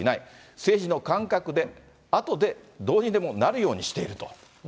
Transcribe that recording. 政治の感覚で、あとでどうにでもなるようにしていると。